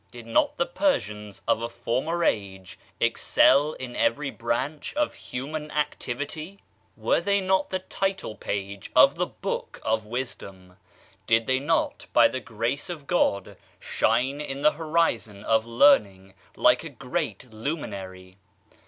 Did not the Persians of a former age excel in every branch of human activity? Were they not the title 13 Digitized by Google MYSTERIOUS FORCES page of the book of wisdom? Did they oot by the grace of God shine in the horizon of learning like a great luminary?